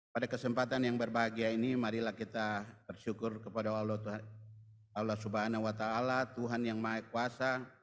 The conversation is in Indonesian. pada kesempatan yang berbahagia ini marilah kita bersyukur kepada allah swt tuhan yang maha kuasa